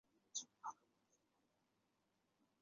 新罕布什尔州还是冬季冰上运动的好地点。